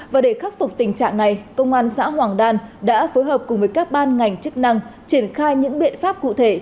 và để khắc phục tình trạng này công an xã hoàng đan đã phối hợp cùng với các ban ngành chức năng triển khai những biện pháp cụ thể